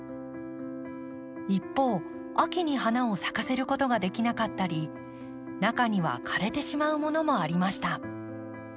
一方秋に花を咲かせることができなかったり中には枯れてしまうものもありました。